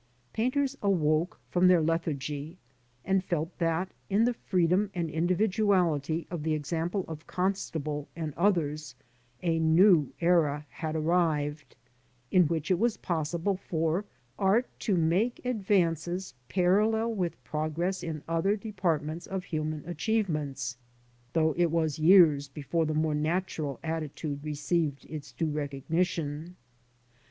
Painters awoke from their lethargy, and felt that in the freedom and individuality of the example of Constable and others a new era had arrived, in which it was possible for art to make advances parallel with pro gress in other departments of human achievements, though it was years before the more natural attitude received its due recognition.